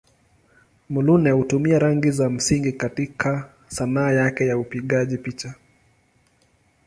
Muluneh hutumia rangi za msingi katika Sanaa yake ya upigaji picha.